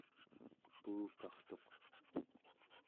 puukartuq